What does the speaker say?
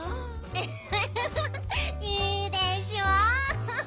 フフフフいいでしょ？